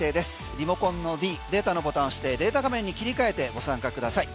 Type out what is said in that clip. リモコンのｄデータのボタンを押してデータ画面に切り替えてご参加ください。